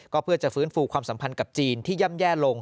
ก็เพื่อจะฟื้นฟูความสัมพันธ์กับจีนที่ย่ำแย่ลง